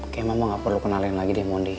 kayak mama gak perlu kenalin lagi deh mondi